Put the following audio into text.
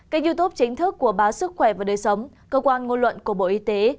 kênh youtube chính thức của báo sức khỏe và đời sống cơ quan ngôn luận của bộ y tế